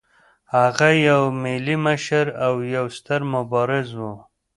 هغه یو ملي مشر او یو ستر مبارز و.